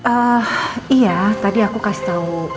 ah iya tadi aku kasih tau